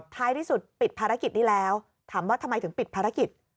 ท้ายที่สุดปิดภารกิจนี้แล้วถามว่าทำไมถึงปิดภารกิจ